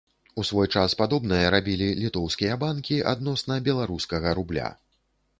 У свой час падобнае рабілі літоўскія банкі адносна беларускага рубля.